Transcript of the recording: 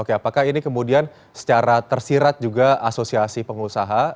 oke apakah ini kemudian secara tersirat juga asosiasi pengusaha